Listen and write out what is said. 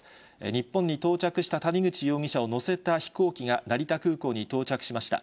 日本に到着した谷口容疑者を乗せた飛行機が、成田空港に到着しました。